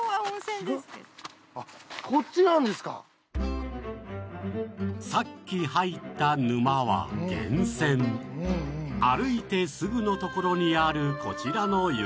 あっこっちなんですかさっき入った沼は源泉歩いてすぐの所にあるこちらの雪